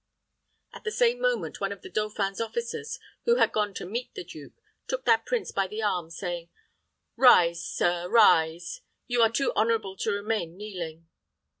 At the same moment, one of the dauphin's officers, who had gone to meet the duke, took that prince by the arm, saying, "Rise, sir rise. You are too honorable to remain kneeling."